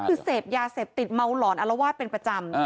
คือเสพยาเสพติดเมาหลอนอารวาสเป็นประจำ